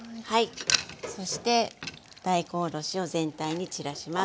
そして大根おろしを全体に散らします。